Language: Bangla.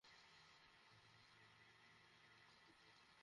কিন্তু তারা দারিদ্র্য বিমোচনের নামে শুধু গরিব মানুষের রক্ত শোষণ করে।